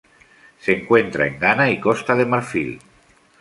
Se encuentra en Ghana y Costa de Marfil.